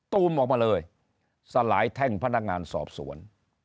ตูมออกมาเลยสลายแท่งพนักงานสอบสวน